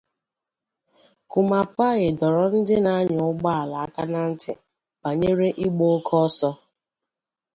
Kumapayi dọrọ ndị na-anyà ụgbọala aka na ntị banyere ịgba oke ọsọ